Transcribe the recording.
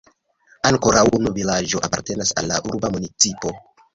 Ankoraŭ unu vilaĝo apartenas al la urba municipo.